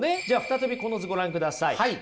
じゃあ再びこの図ご覧ください。